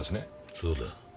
そうだ。